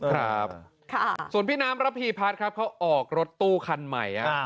ครับส่วนพี่น้ำระพีพัฒน์ครับเขาออกรถตู้คันใหม่